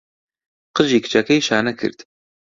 قژی کچەکەی شانە کرد.